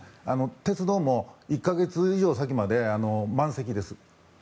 鉄道も１か月以上先まで満席です。